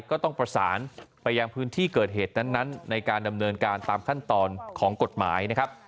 ก็ต้องประสานไปยังพื้นที่เกิดเหตุนั้นในการดำเนินการตามขั้นตอนของกฎหมายนะครับ